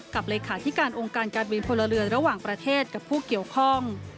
เลขาธิการองค์การการบินพลเรือนระหว่างประเทศกับผู้เกี่ยวข้อง